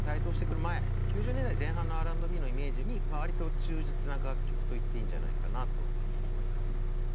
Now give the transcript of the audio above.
９０年代前半のＲ＆Ｂのイメージに割と忠実な楽曲と言っていいんじゃないかなと思います。